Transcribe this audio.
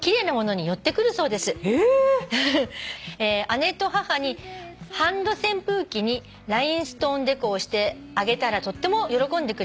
「姉と母にハンド扇風機にラインストーンデコをしてあげたらとっても喜んでくれました」